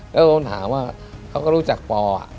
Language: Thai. แล้วผมถามว่าเขาก็รู้จักปอ